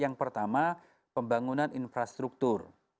yang pertama pembangunan infrastruktur